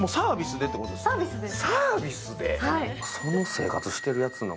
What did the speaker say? サービスです。